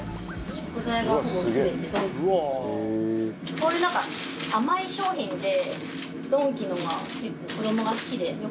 こういうなんか甘い商品でドンキのが結構子どもが好きでよく買います。